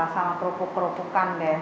sama kerupuk kerupukan deh